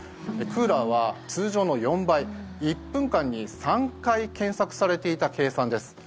クーラーは通常の４倍１分間に３回検索されていた計算です。